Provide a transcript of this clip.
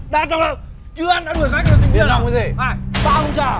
tao không trả